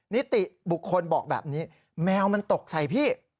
นิติบุคคลบอกแบบนี้แมวมันตกใส่พี่